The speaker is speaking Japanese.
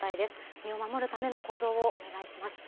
身を守るための行動をお願いいたします。